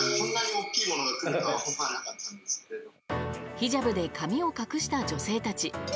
ヒジャブで髪を隠した女性たち。